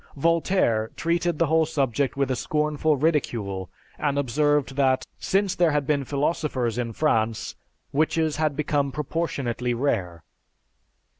Voltaire treated the whole subject with a scornful ridicule and observed that, "Since there had been philosophers in France, witches had become proportionately rare."